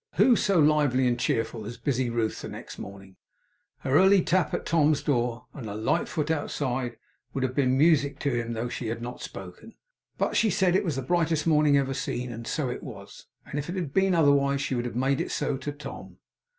Who so lively and cheerful as busy Ruth next morning! Her early tap at Tom's door, and her light foot outside, would have been music to him though she had not spoken. But she said it was the brightest morning ever seen; and so it was; and if it had been otherwise, she would have made it so to Tom.